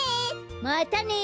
またね！